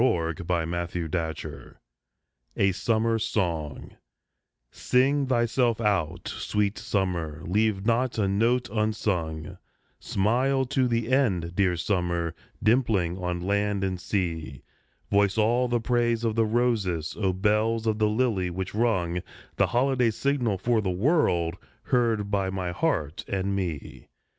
78 A SUMMER SONG A SUMMER SONG SING thyself out, sweet summer, leave not a note unsung ; Smile to the end, dear summer, dimpling on land and sea, Voice all the praise of the roses, O bells of the lily which rung The holiday signal for the world, heard by my heart and me